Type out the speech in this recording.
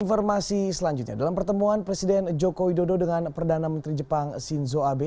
informasi selanjutnya dalam pertemuan presiden joko widodo dengan perdana menteri jepang shinzo abe